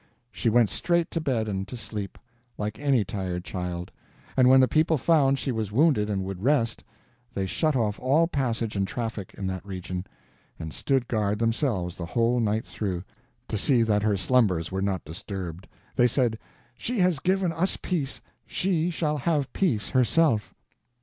She went straight to bed and to sleep, like any tired child; and when the people found she was wounded and would rest, they shut off all passage and traffic in that region and stood guard themselves the whole night through, to see that he slumbers were not disturbed. They said, "She has given us peace, she shall have peace herself."